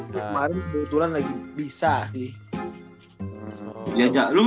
itu kemarin kebetulan lagi bisa sih